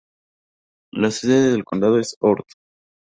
La sede del condado es Ord.